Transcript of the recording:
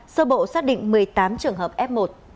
sơ bộ xác định một mươi tám trường hợp f một